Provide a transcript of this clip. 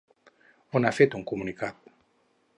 On ha fet un comunicat?